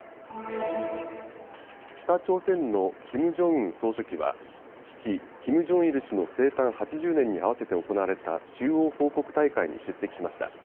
北朝鮮のキム・ジョンウン総書記は父、キム・ジョンイル氏の生誕８０年に合わせて行われた中央報告大会に出席しました。